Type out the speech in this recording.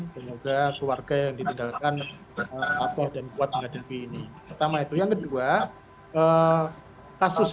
semoga keluarga yang ditinggalkan apuh dan kuat menghadapi ini pertama itu yang kedua kasus